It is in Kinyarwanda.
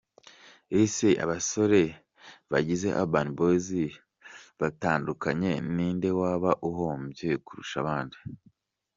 Ese abasore bagize Urban Boyz batandukanye ni nde waba uhombye kurusha abandi?.